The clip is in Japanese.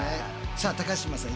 さあ高島さん